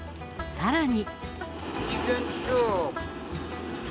さらに。